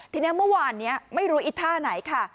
ที่นั่นเมื่อวานเนี้ยไม่ดูอิทธาดิ์ไหนค่ะ